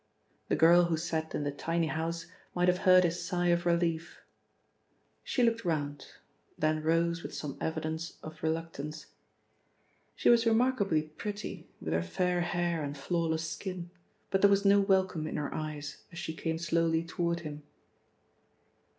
The girl who sat in the tiny house might have heard his sigh of relief. She looked round, then rose with some evidence of reluctance. She was remarkably pretty, with her fair hair and flawless skin, but there was no welcome in her eyes as she came slowly toward him.